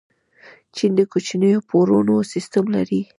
چین د کوچنیو پورونو سیسټم لري.